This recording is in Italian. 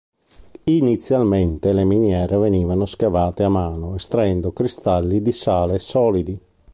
Inizialmente le miniere venivano scavate a mano estraendo cristalli di sale solidi.